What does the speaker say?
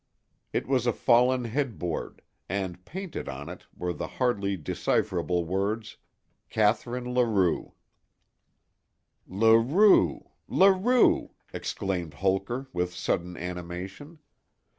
It was a fallen headboard, and painted on it were the hardly decipherable words, "Catharine Larue." "Larue, Larue!" exclaimed Holker, with sudden animation.